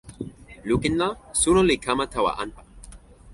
lukin la, suno li kama tawa anpa.